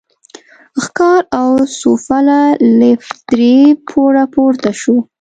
ښکار او سوفله، لېفټ درې پوړه پورته شو.